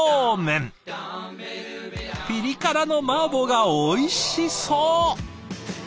ピリ辛のマーボーがおいしそう！